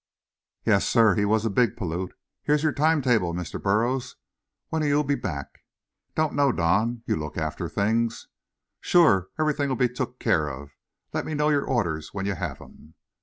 "Yessir. He was a big plute. Here's your time table, Mr. Burruz. When'll you be back?" "Don't know, Don. You look after things." "Sure! everything'll be took care of. Lemme know your orders when you have 'em."